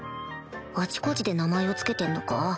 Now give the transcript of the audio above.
あちこちで名前を付けてんのか？